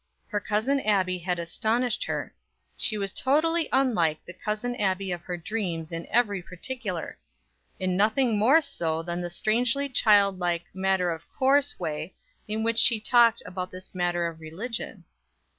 Her Cousin Abbie had astonished her; she was totally unlike the Cousin Abbie of her dreams in every particular; in nothing more so than the strangely childlike matter of course way in which she talked about this matter of religion.